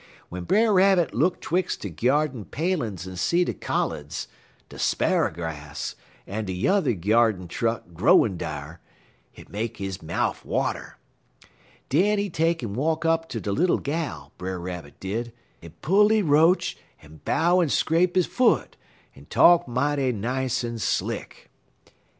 Wen Brer Rabbit look 'twix' de gyardin palin's en see de colluds, en de sparrer grass, en de yuther gyardin truck growin' dar, hit make he mouf water. Den he take en walk up ter de Little Gal, Brer Rabbit did, en pull he roach, en bow, en scrape he foot, en talk mighty nice en slick.